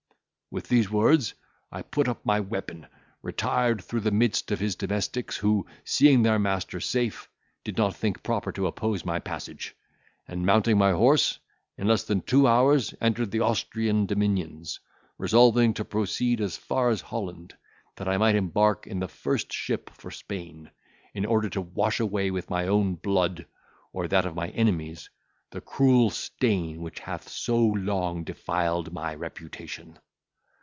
"With these words, I put up my weapon, retired through the midst of his domestics, who, seeing their master safe, did not think proper to oppose my passage, and, mounting my horse, in less than two hours entered the Austrian dominions, resolving to proceed as far as Holland, that I might embark in the first ship for Spain, in order to wash away, with my own blood, or that of my enemies, the cruel stain which hath so long defiled my reputation.